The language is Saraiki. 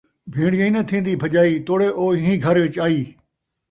بھیݨ جہیں نہ تھین٘دی بھڄائی توڑیں اوہیں گھر اِچ آئی